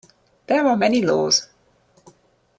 There are many laws.